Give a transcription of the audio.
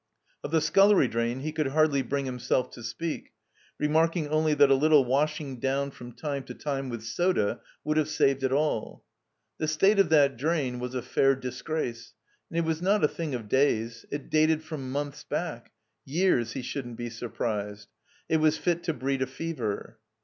Of the scullery drain he could hardly bring himself to speak, remarking only that a little washing down from time to time with soda would have saved it all. The state of that drain was a fair disgrace; and it was not a thing of days; it dated from months back — ^years, he shouldn't be surprised. It was fit to breed a fever.